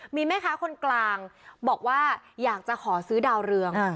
มีแม่ค้าคนกลางบอกว่าอยากจะขอซื้อดาวเรือง